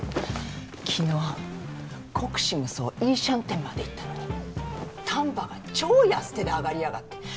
昨日国士無双イーシャンテンまでいったのに丹波が超安手で上がりやがって。